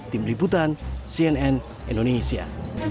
tim liputan cnn indonesia